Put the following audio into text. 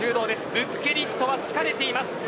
ブッケリットは疲れています。